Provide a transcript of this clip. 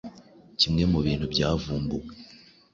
kimwe mu bintu byavumbuwe